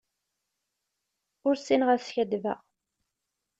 Ur ssineɣ ad skaddbeɣ.